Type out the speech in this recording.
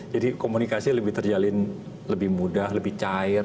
jadi komunikasi lebih terjalin lebih mudah lebih cair